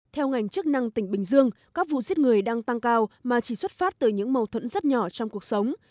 theo ngành chức năng tỉnh bình dương các vụ giết người đang tăng cao mà chỉ xuất phát từ những mâu thuẫn rất nhỏ trong cuộc sống